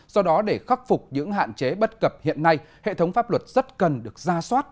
do đó để khắc phục những hạn chế bất cập hiện nay hệ thống pháp luật rất cần được ra soát